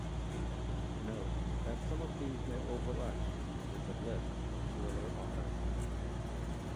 Note that some of these may overlap with the List of thriller authors.